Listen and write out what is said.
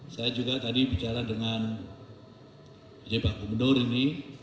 saya juga tadi bicara dengan pak komendor ini